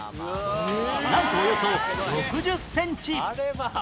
なんとおよそ６０センチ